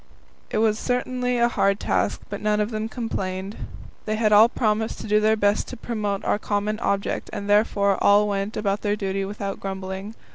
It was certainly a hard task, but none of them complained. They had all promised to do their best to promote our common object, and therefore all went about their duty without grumbling.